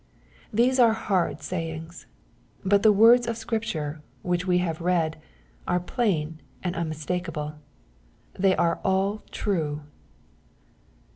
These are hard sayings. But tne words of Scripture, which we have read, are plain and unmistakeable. They are all true.